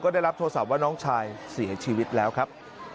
ได้รับโทรศัพท์ว่าน้องชายเสียชีวิตแล้วครับ